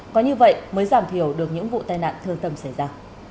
có như vậy mới giảm thiểu được những vụ tai nạn thương tâm xảy ra